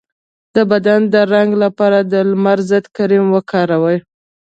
د بدن د رنګ لپاره د لمر ضد کریم وکاروئ